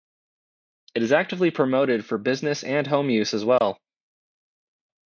It is actively promoted for business and home use as well.